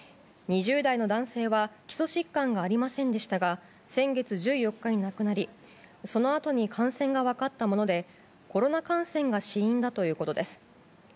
２０代の男性は基礎疾患がありませんでしたが先月１４日に亡くなりそのあとに感染が分かったものでコロナ感染が死因だということです。